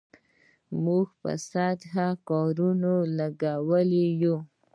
موږ په سطحي کارونو لګیا یو.